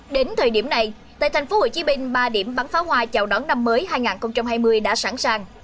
đến thời điểm này tại tp hcm ba điểm bắn pháo hoa chào đón năm mới hai nghìn hai mươi đã sẵn sàng